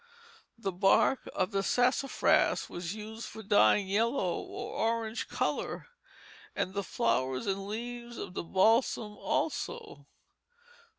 The bark of the sassafras was used for dyeing yellow or orange color, and the flowers and leaves of the balsam also.